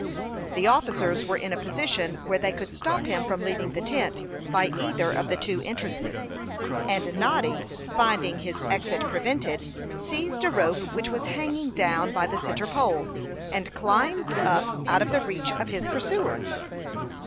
The officers were in a position where they could stop him from leaving the tent by either of the two entrances; and Noddy, finding his exit prevented, seized a rope which was hanging down by the centre pole, and climbed up out of the reach of his pursuers.